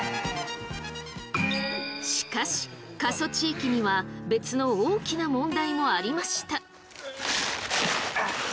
しかし過疎地域には別の大きな問題もありました。